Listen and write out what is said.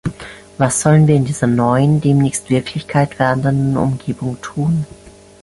Was sollen wir in dieser neuen, demnächst Wirklichkeit werdenden Umgebung tun?